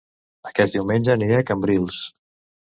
Aquest diumenge aniré a Cambrils